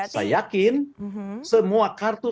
saya yakin semua kartu